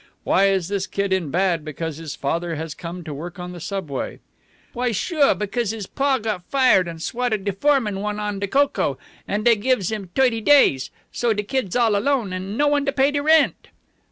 Why is this kid in bad because his father has come to work on the subway?" "Why, sure, because his pa got fired an' swatted de foreman one on de coco, an' dey gives him t'oity days. So de kid's all alone, an' no one to pay de rent."